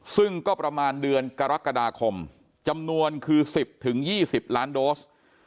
ซึ่งก็ประมาณเดือนกรกฎาคมจำนวนคือ๑๐๒๐ล้านโดส